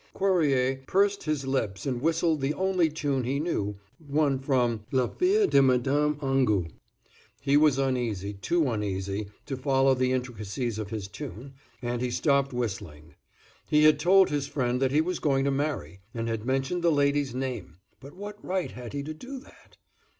Cuerrier pursed up his lips and whistled the only tune he knew, one from "La Fille de Madame Angot." He was uneasy, too uneasy to follow the intricacies of his tune, and he stopped whistling. He had told his friend that he was going to marry, and had mentioned the lady's name; but what right had he to do that?